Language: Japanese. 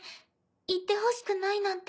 行ってほしくないなんて。